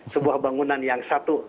sebuah bangunan yang satu